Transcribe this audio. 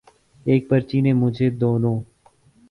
ایک پرچی نے مجھے دونوں